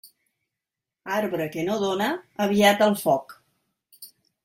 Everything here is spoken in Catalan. Arbre que no dóna, aviat al foc.